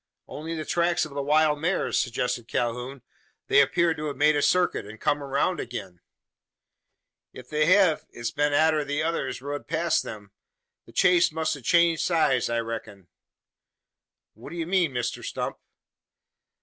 "Only the tracks of the wild mares!" suggested Calhoun. "They appear to have made a circuit, and come round again?" "If they hev it's been arter the others rud past them. The chase must a changed sides, I reck'n." "What do you mean, Mr Stump?"